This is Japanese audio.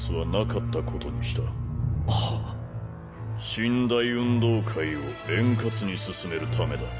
神・大運動会を円滑に進めるためだ。